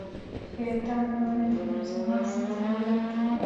شیطان وایي، نو زما څه ضرورت دی